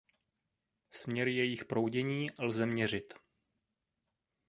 Směry jejich proudění lze měřit.